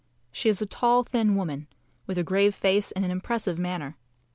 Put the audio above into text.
She is a tall, thin woman, with a grave face and an impressive manner.